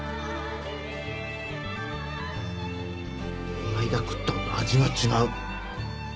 この間食ったのと味が違う。